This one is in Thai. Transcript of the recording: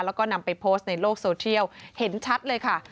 แล้วก็นำไปโพสต์ในโลกโซเทียลเห็นชัดเลยค่ะ